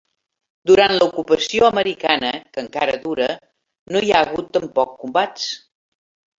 Durant l'ocupació americana, que encara dura, no hi ha hagut tampoc combats.